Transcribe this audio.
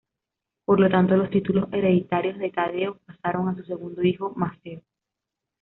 Por lo tanto los títulos hereditarios de Taddeo pasaron a su segundo hijo, Maffeo.